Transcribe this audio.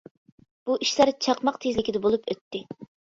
بۇ ئىشلار چاقماق تېزلىكىدە بولۇپ ئۆتتى.